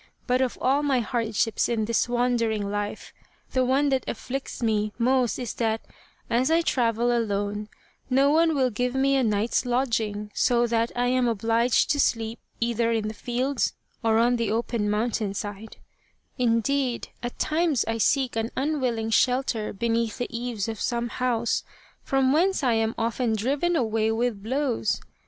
But of all my hardships in this wandering life the one that afflicts 22 The Quest of the Sword me most is that, as I travel alone, no one will give me a night's lodging, so that I am obliged to sleep either in the fields or on the open mountain side ; indeed, at times I seek an unwilling shelter beneath the eaves of some house, from whence I am often driven away with blows.